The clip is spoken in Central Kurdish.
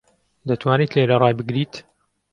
دەتوانیت لێرە ڕای بگریت؟